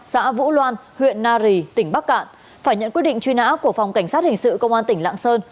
xã vũ loan huyện nari tỉnh bắc cạn phải nhận quyết định truy nã của phòng cảnh sát hình sự công an tỉnh lạng sơn